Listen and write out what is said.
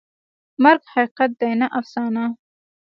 مرګ حقیقت دی، نه افسانه.